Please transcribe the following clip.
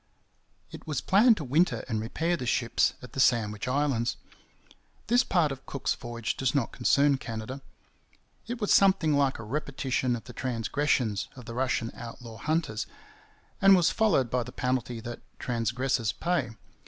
It was planned to winter and repair the ships at the Sandwich Islands. This part of Cook's voyage does not concern Canada. It was something like a repetition of the transgressions of the Russian outlaw hunters, and was followed by the penalty that transgressors pay.